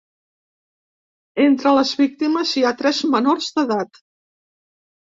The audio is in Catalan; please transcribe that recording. Entre les víctimes, hi ha tres menors d’edat.